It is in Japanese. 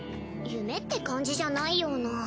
夢って感じじゃないような。